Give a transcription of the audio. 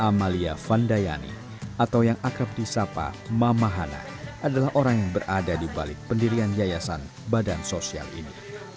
amalia vandayani atau yang akrab di sapa mama hana adalah orang yang berada di balik pendirian yayasan badan sosial ini